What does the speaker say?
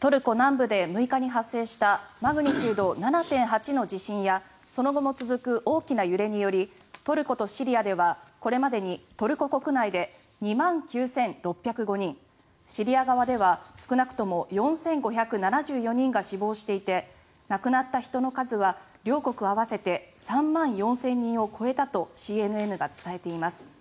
トルコ南部で６日に発生したマグニチュード７．８の地震やその後も続く大きな揺れによりトルコとシリアではこれまでにトルコ国内で２万９６０５人シリア側では少なくとも４５７４人が死亡していて亡くなった人の数は両国合わせて３万４０００人を超えたとＣＮＮが伝えています。